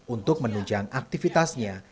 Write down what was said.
untuk menunjang aktivitasnya